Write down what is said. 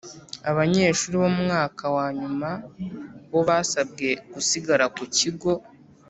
Abanyeshuri bo mu mwaka wa nyuma bo basabwe gusigara ku kigo